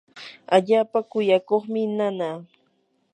allaapa kuyakuqmi nanaa.